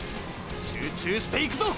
集中していくぞ！！